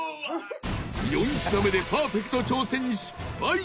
４品目でパーフェクト挑戦失敗！